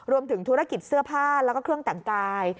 รวมถึงธุรกิจเสื้อผ้าแล้วก็เครื่องแต่งกาย